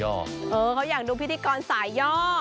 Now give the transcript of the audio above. เขาอยากดูพิธีกรสายย่อ